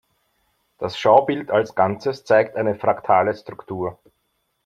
Das Schaubild als Ganzes zeigt eine fraktale Struktur.